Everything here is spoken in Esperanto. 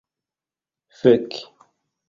Fek.